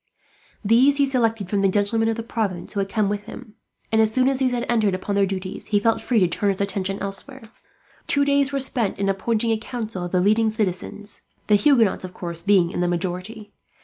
These he selected from the gentlemen of the province who had come with him and, as soon as these had entered upon their duties, he felt free to turn his attention elsewhere. Two days were spent in appointing a council of the leading citizens, the Huguenots of course being in the majority.